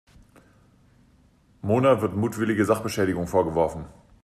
Mona wird mutwillige Sachbeschädigung vorgeworfen.